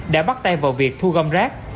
đã bắt tay vào việc thu gom rác